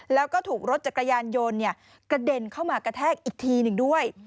แล้วก็ถูกรถจักรยานยนต์กระเด็นเข้ามากระแทกอีกทีหนึ่งด้วย